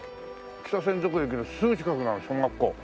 北千束駅のすぐ近くが小学校。